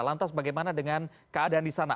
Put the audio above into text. lantas bagaimana dengan keadaan di sana